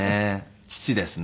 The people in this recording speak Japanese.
父ですね。